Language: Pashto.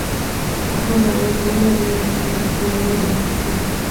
که ښځه عاید ولري، نو د کورنۍ ژوند ښه کېږي.